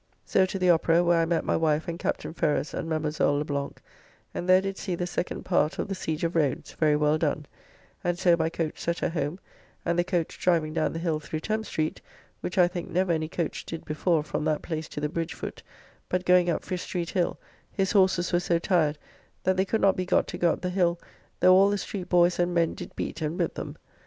So to the Opera, where I met my wife and Captain Ferrers and Madamoiselle Le Blanc, and there did see the second part of "The Siege of Rhodes" very well done; and so by coach set her home, and the coach driving down the hill through Thames Street, which I think never any coach did before from that place to the bridge foot, but going up Fish Street Hill his horses were so tired, that they could not be got to go up the hill, though all the street boys and men did beat and whip them.